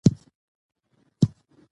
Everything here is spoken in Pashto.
ځه ته هم پر هغه لاره چي یاران دي باندي تللي